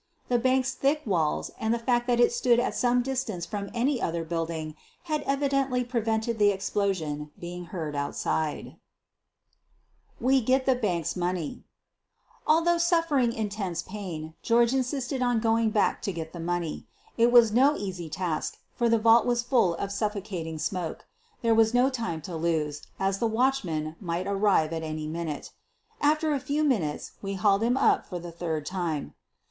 The bank's thick walls and the fact that it stood at some distance from any other building had evidently pre vented the explosion being heard outside. Although suffering intense pain George insisted on going back to get the money. It was no easy task, for the vault was full of suffocating smoke. There was no time to lose, as the watchman might return at any minute. After a few minutes we hauled him up for the third time.